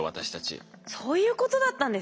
そういうことだったんですね。